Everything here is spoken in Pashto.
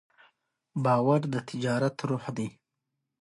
باور د تجارت روح دی.